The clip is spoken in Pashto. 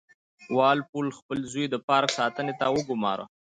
وال پول خپل زوی د پارک ساتنې ته وګوماره.